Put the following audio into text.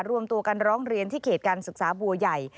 รวมตัวกันร้องเรียนที่เขตการศึกษาบัวใหญ่